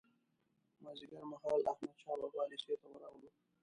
مازیګر مهال احمدشاه بابا لېسې ته ورغلو.